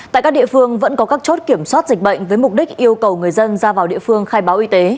tại các địa phương vẫn có các chốt kiểm soát dịch bệnh với mục đích yêu cầu người dân ra vào địa phương khai báo y tế